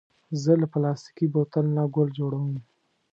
زه له پلاستيکي بوتل نه ګل جوړوم.